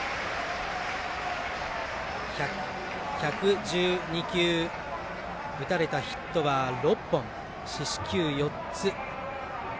１１２球、打たれたヒットは６本四死球４つ。